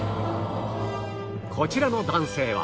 こちらの男性は